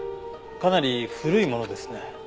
かなり古いものですね。